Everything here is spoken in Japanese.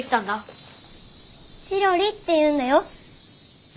チロリっていうんだよ。